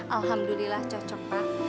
alhamdulillah cocok pak